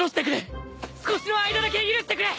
少しの間だけ許してくれ！